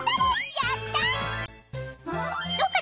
やった！